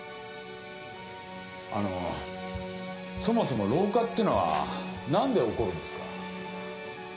あのそもそも老化ってのは何で起こるんですか？